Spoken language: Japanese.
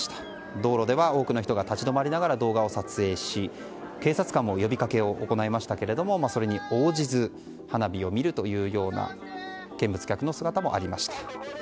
道路では多くの人が立ち止まりながら動画を撮影し警察官も呼びかけを行いましたけれどもそれに応じず花火を見るというような見物客の姿もありました。